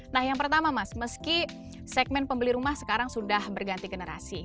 nah yang pertama mas meski segmen pembeli rumah sekarang sudah berganti generasi